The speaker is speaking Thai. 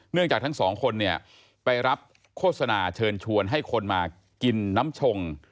เนื่องจากทั้ง๒คนไปรับโฆษณาเชิญชวนให้คนมากินน้ำชง